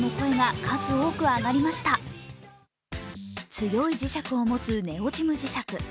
強い磁石を持つネオジム磁石。